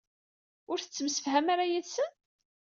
Ur tettemsefham ara yid-sen?